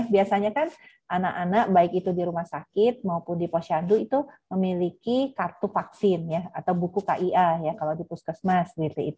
biasanya kan anak anak baik itu di rumah sakit maupun di posyandu itu memiliki kartu vaksin atau buku kia kalau di puskesmas